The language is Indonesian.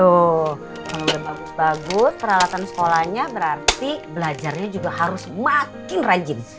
tuh kalau udah bagus bagus peralatan sekolahnya berarti belajarnya juga harus makin rajin